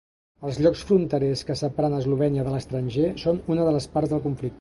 Els llocs fronterers que separen Eslovènia de l'estranger són una de les parts del conflicte.